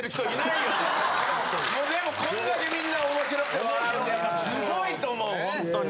でもこんだけみんな面白くて笑うってやっぱすごいと思うほんとに。